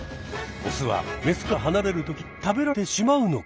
オスはメスからはなれるとき食べられてしまうのか！？